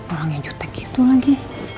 orangnya jutek gitu lagi